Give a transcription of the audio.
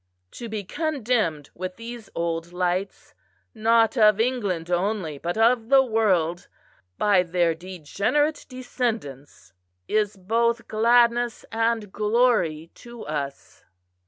To be condemned with these old lights not of England only, but of the world by their degenerate descendants, is both gladness and glory to us."